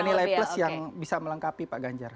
tidak ada nilai plus yang bisa melengkapi pak ganjar